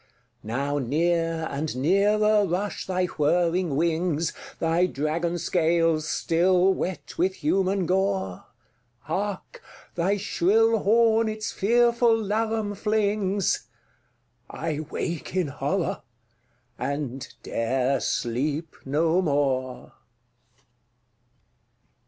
Now near and nearer rush thy whirring wings, Thy dragon scales still wet with human gore. Hark, thy shrill horn its fearful laram flings! —I wake in horror, and 'dare sleep no more!